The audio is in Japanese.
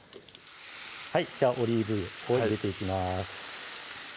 ではオリーブ油を入れていきます